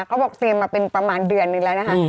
เขาบอกเซมมาเป็นประมาณเดือนนึงแล้วนะคะ